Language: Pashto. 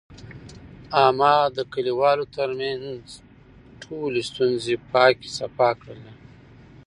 احمد د کلیوالو ترمنځ ټولې ستونزې پاکې صفا کړلې.